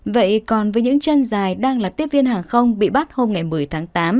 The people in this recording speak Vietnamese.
vậy còn với những chân dài đang là tiếp viên hàng không bị bắt hôm ngày một mươi tháng tám